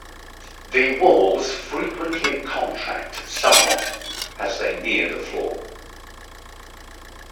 The walls frequently contract somewhat as they near the floor.